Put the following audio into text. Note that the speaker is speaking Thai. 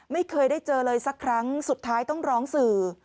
ไม่เคยได้เจอเลยสักครั้งสุดท้ายต้องร้องสื่อ